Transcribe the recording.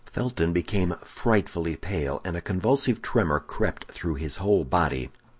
Felton became frightfully pale, and a convulsive tremor crept through his whole body.